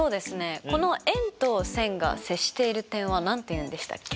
この円と線が接している点は何て言うんでしたっけ？